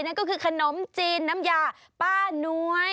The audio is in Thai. นั่นก็คือขนมจีนน้ำยาป้านวย